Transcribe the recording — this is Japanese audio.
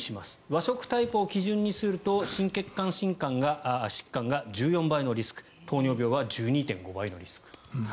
和食タイプを基準にすると心血管疾患が１４倍のリスク糖尿病は１２．５倍のリスク。